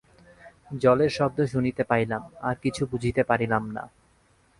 জলের শব্দ শুনিতে পাইলাম, আর কিছু বুঝিতে পারিলাম না।